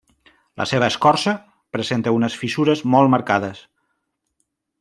La seva escorça presenta unes fissures molt marcades.